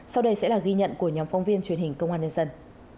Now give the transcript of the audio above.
sau đây sẽ là ghi nhận của nhóm phóng viên truyền hình công an nhân dân